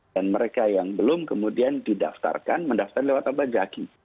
dan mereka yang belum kemudian didaftarkan mendaftar lewat apa gaki